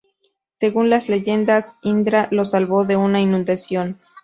Según las leyendas, Indra lo salvó de una inundación.